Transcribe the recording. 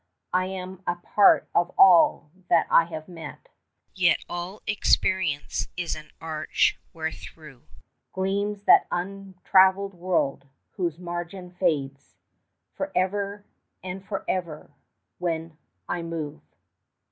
I am a part of all that I have met; Yet all experience is an arch wherethrough Gleams that untravelled world, whose margin fades For ever and for ever when I move.